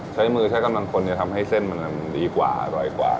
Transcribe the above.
ใช้มือใช้กำลังคนทำให้เส้นมันดีกว่าอร่อยกว่า